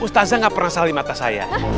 ustazah nggak pernah salah li mata saya